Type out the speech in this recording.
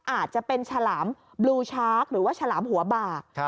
อาจจะเป็นฉลามบลูชาร์คหรือว่าฉลามหัวบาก